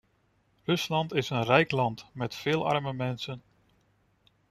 Rusland is een rijk land met veel arme mensen.